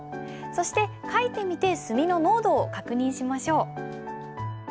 そして書いてみて墨の濃度を確認しましょう。